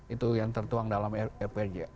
itu yang tertuang dalam rpj